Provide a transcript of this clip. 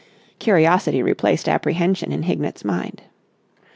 Curiosity replaced apprehension in Hignett's mind.